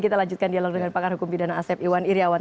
kita lanjutkan dialog dengan pakar hukum pidana asep iwan iryawan